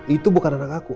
itu bukan anak aku